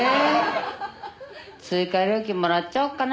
追加料金もらっちゃおうかな。